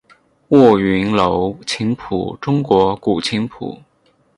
卧云楼琴谱中国古琴谱。